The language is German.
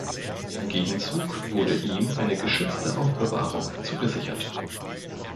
Im Gegenzug wurde ihm eine geschützte Aufbewahrung zugesichert.